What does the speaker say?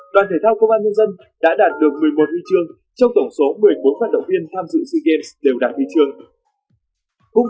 đoàn thể thao công an nhân dân đã đạt được một mươi một huy chương trong tổng số một mươi bốn phát động viên tham dự sea games đều đạt huy chương